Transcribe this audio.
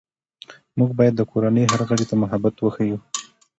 موږ باید د کورنۍ هر غړي ته محبت وښیو